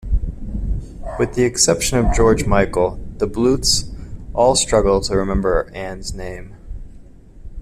With the exception of George Michael, the Bluths all struggle to remember Ann's name.